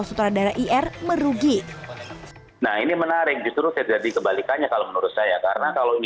sutradara ir merugi nah ini menarik justru terjadi kebalikannya kalau menurut saya karena kalau ini